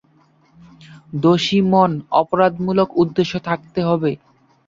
দোষী মন: অপরাধমূলক উদ্দেশ্য থাকতে হবে।